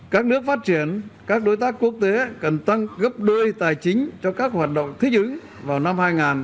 các nước phát triển các đối tác quốc tế cần tăng gấp đôi tài chính cho các hoạt động thích ứng vào năm hai nghìn hai mươi